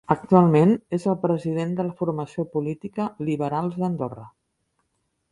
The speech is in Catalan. Actualment és el president de la formació política Liberals d'Andorra.